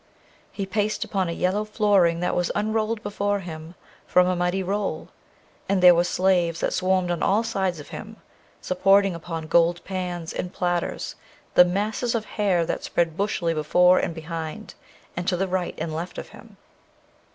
He paced upon a yellow flooring that was unrolled before him from a mighty roll; and there were slaves that swarmed on all sides of him, supporting upon gold pans and platters the masses of hair that spread bushily before and behind, and to the right and left of him.